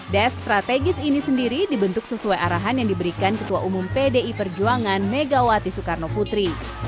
des strategis ini sendiri dibentuk sesuai arahan yang diberikan ketua umum pdi perjuangan megawati soekarno putri